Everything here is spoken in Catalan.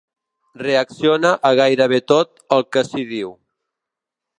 Reacciona a gairebé tot el que s'hi diu.